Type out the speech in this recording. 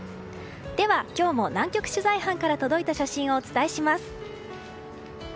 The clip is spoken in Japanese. では今日も南極取材班から届いた写真をお伝えします。